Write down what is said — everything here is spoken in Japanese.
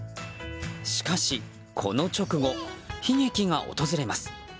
しかし、この直後悲劇が訪れます。